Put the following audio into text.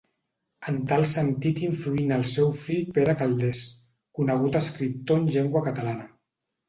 En tal sentit influí en el seu fill Pere Calders, conegut escriptor en llengua catalana.